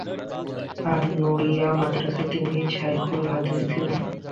আন নূরিয়া মাদ্রাসায় তিনি শায়খুল হাদীস ছিলেন।